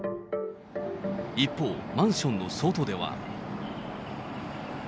一方、マンションの外では。